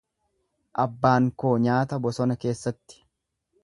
Abbaan koo nyaata bosona keessatti.